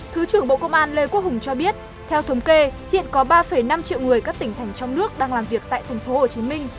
thứ trưởng bộ công an lê quốc hùng cho biết theo thống kê hiện có ba năm triệu người các tỉnh thành trong nước đang làm việc tại thành phố hồ chí minh